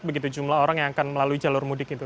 begitu jumlah orang yang akan melalui jalur mudik itu